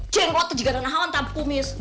cenggot juga danahawan tanpa kumis